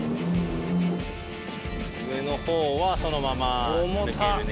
上の方はそのままいけるね。